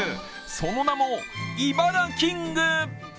その名もイバラキング。